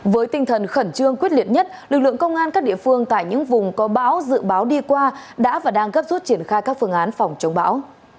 với tinh thần khẩn trương quyết liệt nhất lực lượng công an các địa phương tại những vùng có bão dự báo đi qua đã và đang gấp rút triển khai các phương án phòng chống bão